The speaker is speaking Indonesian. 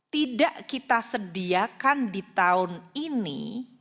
tidak kita sediakan di tahun ini